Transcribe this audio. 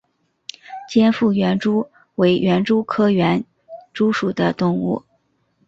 尖腹园蛛为园蛛科园蛛属的动物。